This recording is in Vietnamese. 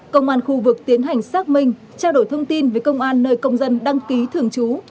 công an khu vực tiến hành xác minh trao đổi thông tin với công an nơi công dân đăng ký thường trú